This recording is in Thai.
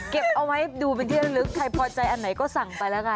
เอาไว้ดูเป็นที่ระลึกใครพอใจอันไหนก็สั่งไปแล้วกัน